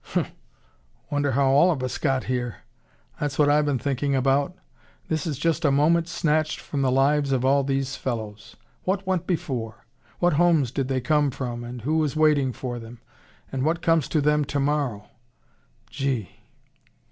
"Humph! Wonder how all of us got here? That's what I've been thinking about. This is just a moment snatched from the lives of all these fellows. What went before? What homes did they come from, and who is waiting for them? And what comes to them to morrow? Gee!"